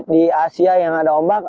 di asia yang ada ombak